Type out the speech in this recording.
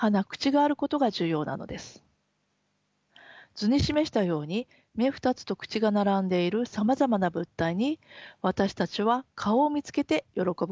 図に示したように目２つと口が並んでいるさまざまな物体に私たちは顔を見つけて喜ぶことができます。